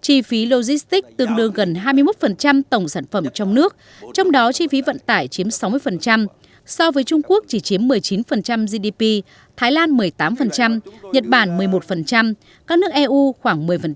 chi phí logistics tương đương gần hai mươi một tổng sản phẩm trong nước trong đó chi phí vận tải chiếm sáu mươi so với trung quốc chỉ chiếm một mươi chín gdp thái lan một mươi tám nhật bản một mươi một các nước eu khoảng một mươi